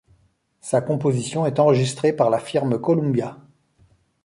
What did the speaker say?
Sa composition est enregistrée par la firme Columbia.